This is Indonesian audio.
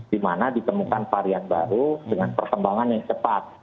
di mana ditemukan varian baru dengan perkembangan yang cepat